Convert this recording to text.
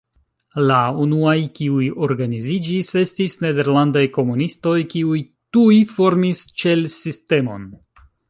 La unuaj kiuj organiziĝis estis nederlandaj komunistoj, kiuj tuj formis ĉel-sistemon.